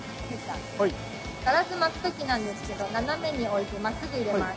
ガラス巻く時なんですけど斜めに置いてまっすぐ入れます。